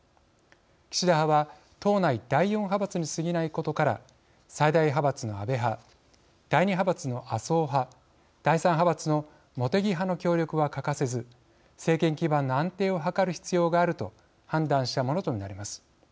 岸田派は党内第４派閥にすぎないことから最大派閥の安倍派第２派閥の麻生派第３派閥の茂木派の協力は欠かせず政権基盤の安定を図る必要があると判断したものと見られます。